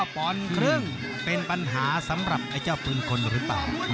๑๑๙ป่อนกลึ่งเป็นปัญหาสำหรับเจ้าปืนกลหรือเปล่า